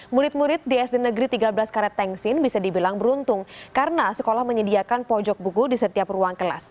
murid murid di sd negeri tiga belas karettengsin bisa dibilang beruntung karena sekolah menyediakan pojok buku di setiap ruang kelas